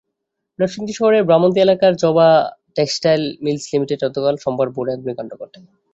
নরসিংদী শহরের ব্রাহ্মন্দী এলাকার Joba textile mills লিমিটেডে গতকাল সোমবার ভোরে অগ্নিকাণ্ড ঘটে।